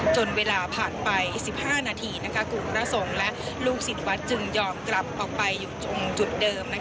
จนเวลาผ่านไป๑๕นาทีกลุ่มพระสงฆ์และลูกศิษย์วัดจึงยอมกลับออกไปอยู่ตรงจุดเดิม